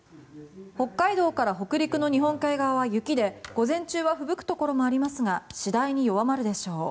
北海道から北陸の日本海側は雪で午前中はふぶくところもありますが次第に弱まるでしょう。